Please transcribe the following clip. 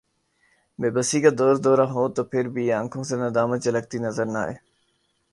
بے بسی کا دوردورہ ہو تو پھربھی آنکھوں سے ندامت جھلکتی نظر نہ آئے